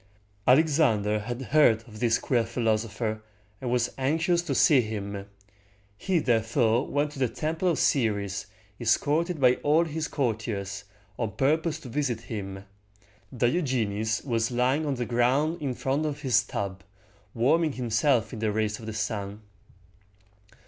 Alexander had heard of this queer philosopher, and was anxious to see him. He therefore went to the Temple of Ceres, escorted by all his courtiers, on purpose to visit him. Diogenes was lying on the ground in front of his tub, warming himself in the rays of the sun.